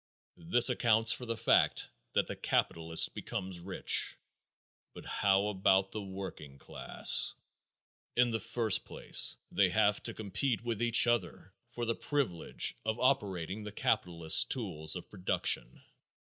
This accounts for the fact that the capitalist becomes rich. But how about the working class? In the first place they have to compete with each other for the privilege of operating the capitalist's tool of production.